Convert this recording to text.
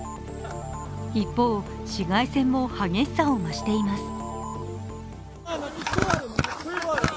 一方、市街戦も激しさを増しています。